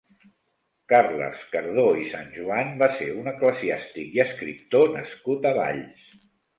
Carles Cardó i Sanjoan va ser un eclesiàstic i escriptor nascut a Valls.